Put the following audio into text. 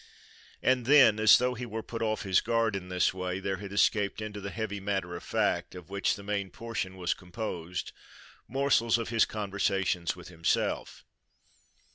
And then, as though he were put off his guard in this way, there had escaped into the heavy matter of fact, of which the main portion was composed, morsels of his conversation with himself.